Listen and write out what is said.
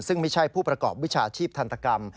ซึ่งไม่ใช่ผู้ประกอบวิชาชีพทันตกรรม